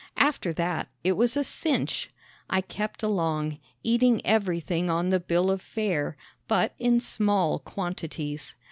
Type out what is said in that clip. After that it was a cinch. I kept along, eating everything on the bill of fare, but in small quantities.